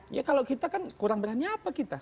ya kalau kita kan kurang berani apa kita